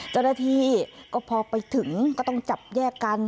เจ้าหน้าที่ก็พอไปถึงก็ต้องจับแยกกัน